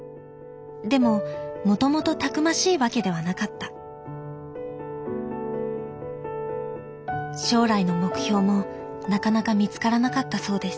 でももともとたくましいわけではなかった将来の目標もなかなか見つからなかったそうです